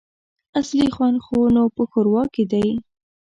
اصلي خوند خو نو په ښوروا کي دی !